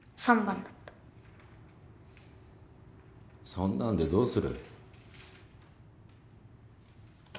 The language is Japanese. そんなんでどうする？